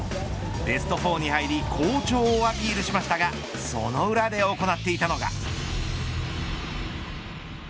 ベスト４に入り好調をアピールしましたがその裏で行っていたのが。